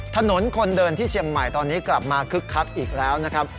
ถนนคนเดินที่เชียงใหม่ตอนนี้กลับมาคึกคักอีกแล้วนะครับ